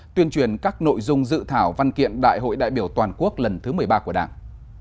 tuyên truyền các nội dung dự thảo văn kiện đại hội đại biểu toàn quốc lần thứ một mươi ba của đảng